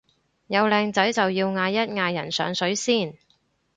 有靚仔就要嗌一嗌人上水先